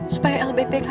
supaya l bebek aja